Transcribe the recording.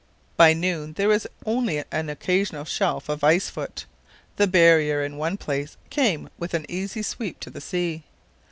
By noon there was only an occasional shelf of ice foot. The barrier in one place came with an easy sweep to the sea.